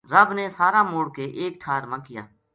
رب نے سارا موڑ کے ایک ٹھار ما کیا